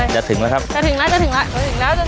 จะถึงแล้วจะถึงเร็ว